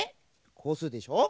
こうするでしょ。